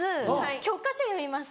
教科書読みます